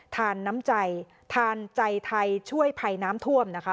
น้ำใจทานใจไทยช่วยภัยน้ำท่วมนะคะ